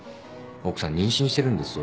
奥さん妊娠してるんですよ。